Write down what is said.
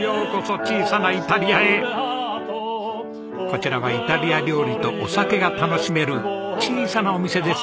こちらはイタリア料理とお酒が楽しめる小さなお店です。